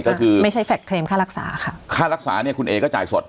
ก็คือไม่ใช่แฟลตเทรมค่ารักษาค่ะค่ารักษาเนี่ยคุณเอก็จ่ายสด